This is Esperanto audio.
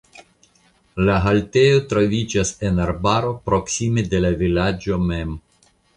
La haltejo troviĝas en arbaro proksime de la vilaĝo mem.